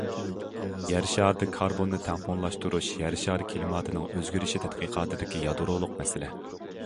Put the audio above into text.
يەر شارىدا كاربوننى تەڭپۇڭلاشتۇرۇش يەر شارى كىلىماتىنىڭ ئۆزگىرىشى تەتقىقاتىدىكى يادرولۇق مەسىلە.